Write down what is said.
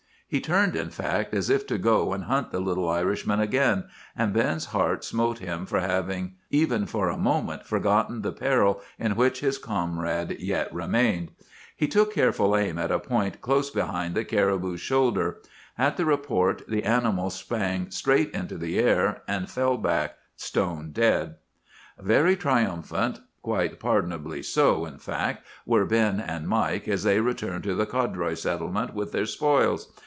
"He turned, in fact, as if to go and hunt the little Irishman again, and Ben's heart smote him for having even for a moment forgotten the peril in which his comrade yet remained. He took careful aim at a point close behind the caribou's shoulder. At the report the animal sprang straight into the air, and fell back stone dead. "Very triumphant, quite pardonably so, in fact, were Ben and Mike as they returned to the Codroy settlement with their spoils.